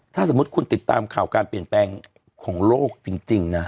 ถ้าสมมุติคุณติดตามข่าวการเปลี่ยนแปลงของโลกจริงนะ